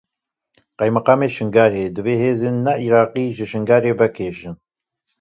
Qaymeqamê Şingalê, divê hêzên ne Iraqî ji Şingalê vekişin.